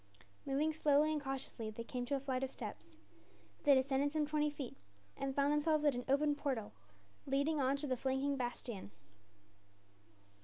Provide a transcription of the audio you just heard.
Moving slowly and cautiously, they came to a flight of steps. They descended some twenty feet, and found themselves at an open portal, leading on to the flanking bastion.